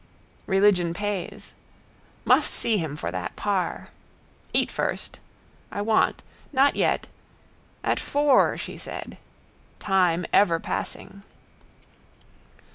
Religion pays. Must see him for that par. Eat first. I want. Not yet. At four, she said. Time ever passing.